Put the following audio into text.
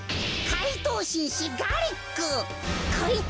怪盗紳士ガリック！？